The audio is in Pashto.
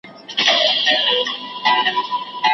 هم باید څرګند پیغام او هدف ولري